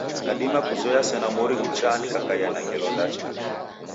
Nadima kuzoya sena mori ghuchaa nikakaia na ngelo ndacha.